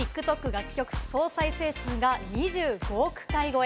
楽曲総再生回数が２５億回超え。